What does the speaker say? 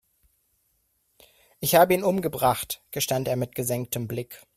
Ich habe ihn umgebracht, gestand er mit gesenktem Blick.